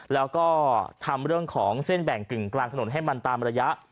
แล้วก็ทำเรื่องของเส้นแบ่งกึ่งกลางถนนให้มันตามระยะ